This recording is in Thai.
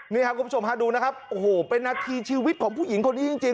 นี่ครับคุณผู้ชมฮะดูนะครับโอ้โหเป็นนาทีชีวิตของผู้หญิงคนนี้จริง